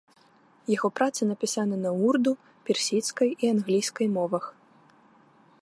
Яго працы напісаны на урду, персідскай і англійскай мовах.